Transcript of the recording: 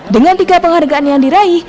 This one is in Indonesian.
dengan tiga penghargaan yang diraih